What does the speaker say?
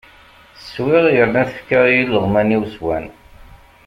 Swiɣ, yerna tefka i ileɣwman-iw, swan.